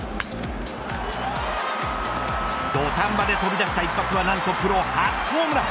土壇場で飛び出した一発は何と、プロ初ホームラン。